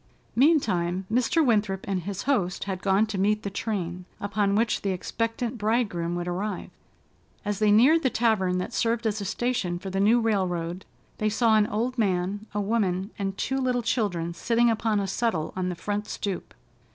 Meantime, Mr. Winthrop and his host had gone to meet the train, upon which the expectant bridegroom would arrive. As they neared the tavern that served as a station for the new railroad, they saw an old man, a woman, and two little children sitting upon a settle on the front stoop.